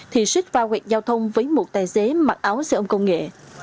thì xích vào huyệt giao thông với một tài xế mặc áo xe ôm công nghệ